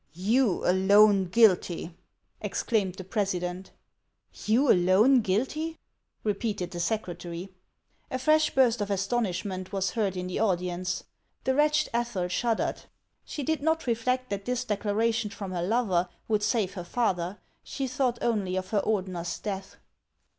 " You alone guilty !" exclaimed the president. " You alone guilty !" repeated the secretary. A fresh burst of astonishment was heard in the audi ence. The wretched Ethel shuddered ; she did not reflect HANS OF ICELAND. 447 that this declaration from her lover would save her father. She thought only of her Ordener's death.